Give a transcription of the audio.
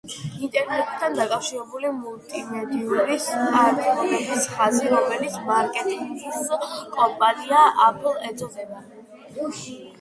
ინტერნეტთან დაკავშირებული მულტიმედიური სმარტფონების ხაზი, რომლის მარკეტინგს კომპანია Apple ახდენს